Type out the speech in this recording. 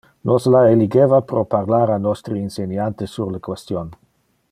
Nos la eligeva pro parlar a nostre inseniante sur le question.